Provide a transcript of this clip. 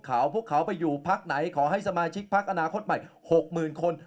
เขาพวกเขาไปอยู่พักไหนขอให้สมาชิกพักอนาคตใหม่๖๐๐๐คน